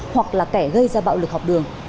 hoặc là kẻ gây ra bạo lực học đường